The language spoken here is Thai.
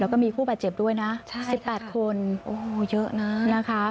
แล้วก็มีคู่บาดเจ็บด้วยนะใช่ค่ะสิบแปดคนโอ้เยอะน่ะนะคะ